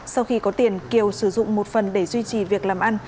sau khi có tiền kiều sử dụng một phần để duy trì việc làm ăn